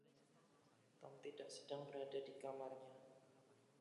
Tom tidak sedang berada di kamarnya.